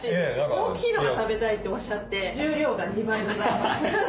「大きいのが食べたい」とおっしゃって重量が２倍ございます。